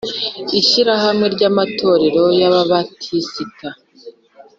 Ishyirahamwe ry Amatorero y Ababatisita